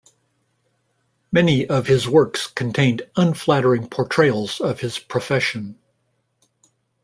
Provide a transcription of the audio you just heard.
Many of his works contained unflattering portrayals of his profession.